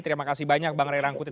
terima kasih banyak bang ray rangkuti